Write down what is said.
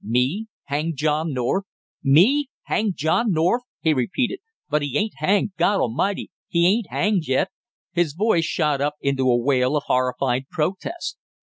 "Me hanged John North! Me hanged John North!" he repeated. "But he ain't hanged God A'mighty, he ain't hanged yet!" His voice shot up into a wail of horrified protest.